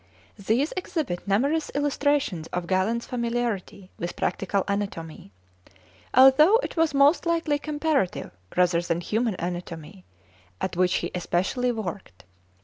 These exhibit numerous illustrations of Galen's familiarity with practical anatomy, although it was most likely comparative rather than human anatomy at which he especially worked.